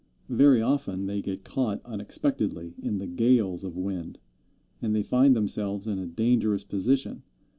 Very often they get caught unexpectedly in the gales of wind, and they find themselves in a dangerous position.